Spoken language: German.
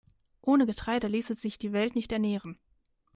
Ohne Getreide ließe sich die Welt nicht ernähren.